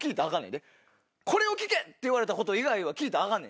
これを聞け！って言われたこと以外聞いたらアカン。